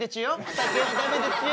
酒はダメでちゅよ。